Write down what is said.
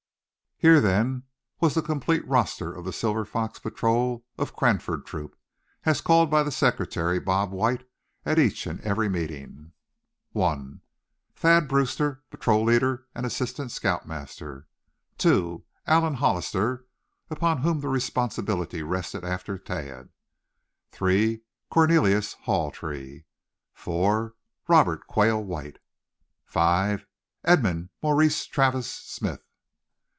Here then was the complete roster of the Silver Fox Patrol of Cranford Troop, as called by the secretary, Bob White, at each and every meeting. 1. Thad Brewster, Patrol Leader, and Assistant Scout Master. 2. Allan Hollister, upon whom the responsibility rested after Thad. 3. Cornelius Hawtree. 4. Robert Quail White. 5. Edmund Maurice Travers Smith.